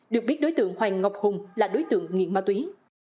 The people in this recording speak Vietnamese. được biết đối tượng hoàng ngọc hùng là đối tượng nghiện ma túy